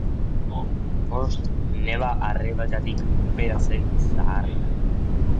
Bost neba-arrebetatik bera zen zaharrena.